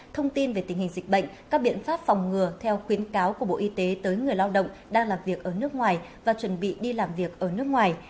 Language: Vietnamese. thông tin về tình hình dịch bệnh các biện pháp phòng ngừa theo khuyến cáo của bộ y tế tới người lao động đang làm việc ở nước ngoài và chuẩn bị đi làm việc ở nước ngoài